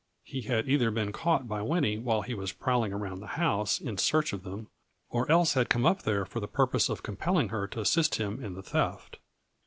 He had either been caught by Winnie while he was prowling around the house in search of them, or else had come up there for the pur pose of compelling her to assist him in the theft.